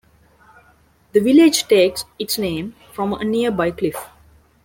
The village takes its name from a nearby cliff.